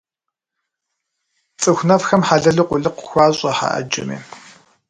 Цӏыху нэфхэм хьэлэлу къулыкъу хуащӏэ хьэ ӏэджэми.